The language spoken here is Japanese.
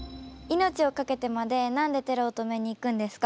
命をかけてまで何でテロを止めに行くんですか？